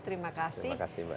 terima kasih mbak desy